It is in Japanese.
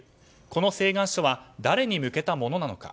この請願書は誰に向けたものなのか。